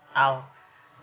mungkin rena butuh suasana baru